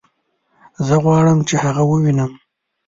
زه غواړم چې هغه ووينم